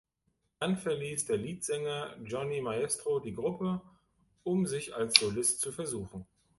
Dann verließ der Leadsänger Johnny Maestro die Gruppe, um sich als Solist zu versuchen.